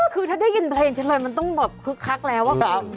คือถ้าได้ยินเพลงเฉลินมันต้องแบบคึกคักแล้ว